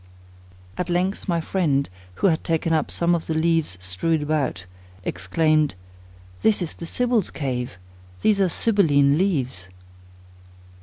At length my friend, who had taken up some of the leaves strewed about, exclaimed, "This is the Sibyl's cave; these are Sibylline leaves."